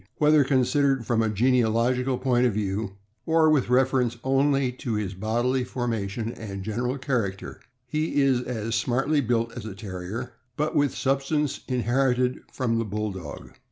Whether considered from a genealogical point of view, or with reference only to his bodily formation and general Character, he is as smartly built as a Terrier, but with substance inherited from the Bulldog.